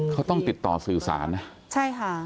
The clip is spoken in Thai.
เขาต้องติดต่อสื่อสารนะใช่ค่ะ